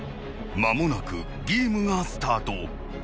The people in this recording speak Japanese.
［間もなくゲームがスタート］